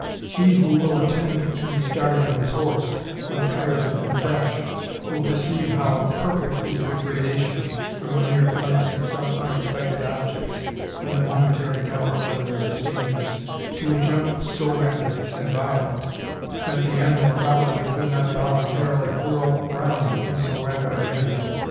He who will attend to the starting of his horse, when tired and fresh, will perceive how perfect is the gradation from a mere glance at some unexpected object, with a momentary doubt whether it is dangerous, to a jump so rapid and violent, that the animal probably could not voluntarily whirl round in so rapid a manner.